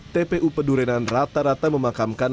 tpu pedurenan rata rata memakamkan